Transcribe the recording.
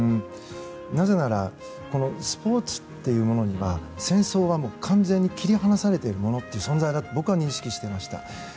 なぜならスポーツっていうものには戦争は完全に切り離されている存在だと僕は認識していました。